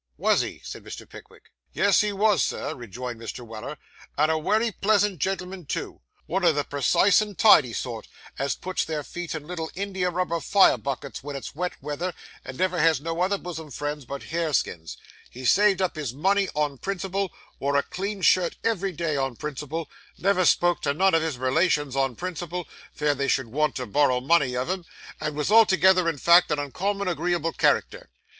'Was he?' said Mr. Pickwick. 'Yes, he wos, Sir,' rejoined Mr. Weller; 'and a wery pleasant gen'l'm'n too one o' the precise and tidy sort, as puts their feet in little India rubber fire buckets wen it's wet weather, and never has no other bosom friends but hare skins; he saved up his money on principle, wore a clean shirt ev'ry day on principle; never spoke to none of his relations on principle, 'fear they shou'd want to borrow money of him; and wos altogether, in fact, an uncommon agreeable character.